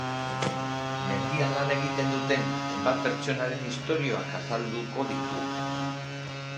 Mendian lan egiten duten hainbat pertsonaren istorioak azalduko ditu.